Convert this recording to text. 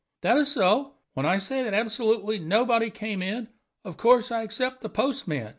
"That is so. When I say that absolutely nobody came in, of course I except the postman.